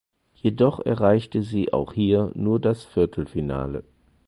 Jedoch erreichte sie auch hier nur das Viertelfinale.